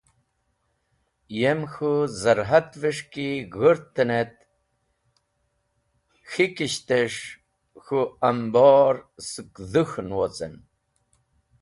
Yem k̃hũ zar’at’ves̃h ki g̃hũrten et K̃hikishtes̃h k̃hũ ambor skẽ dhũk̃hn wocen.